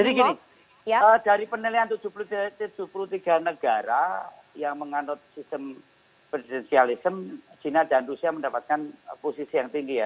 gini dari penilaian tujuh puluh tiga negara yang menganut sistem presidensialism china dan rusia mendapatkan posisi yang tinggi ya